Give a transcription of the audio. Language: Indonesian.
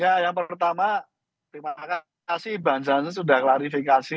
ya yang pertama terima kasih bang jansen sudah klarifikasi